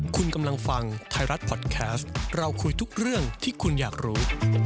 คุณกำลังฟังไทยรัฐพอดแคสต์เราคุยทุกเรื่องที่คุณอยากรู้